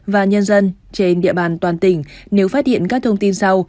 và nhân dân trên địa bàn toàn tỉnh nếu phát hiện các thông tin sau